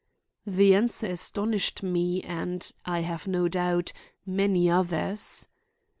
The answer astonished me and, I have no doubt, many others.